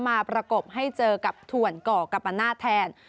มาประกบให้เจอกับทวนกกรมนาศแทน